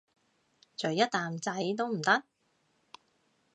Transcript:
咀一啖仔都唔得？